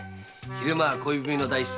昼間は恋文の代筆。